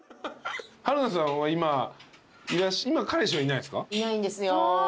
春菜さんは今彼氏はいないんですか？